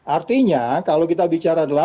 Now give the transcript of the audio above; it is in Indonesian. artinya kalau kita bicara